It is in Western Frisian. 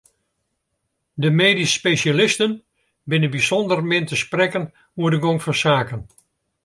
De medysk spesjalisten binne bysûnder min te sprekken oer de gong fan saken.